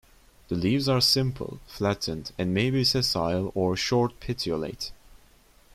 The leaves are simple, flattened and may be sessile or short petiolate.